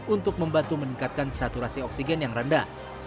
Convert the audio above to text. untuk membantu meningkatkan saturasi oksigen yang rendah